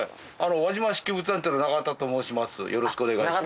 輪島漆器仏壇店の永田と申します